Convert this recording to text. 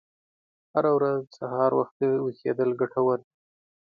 هره ورځ سهار وختي ویښیدل ګټور دي.